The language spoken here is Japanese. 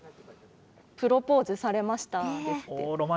プロポーズされましたですって！